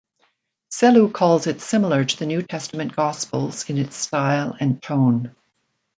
Sellew calls it similar to the New Testament gospels in its style and tone.